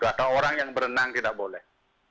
atau orang yang berenang tidak boleh